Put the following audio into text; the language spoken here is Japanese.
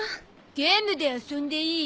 ゲームで遊んでいい？